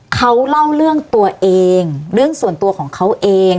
เขาเล่าเรื่องตัวเองเรื่องส่วนตัวของเขาเอง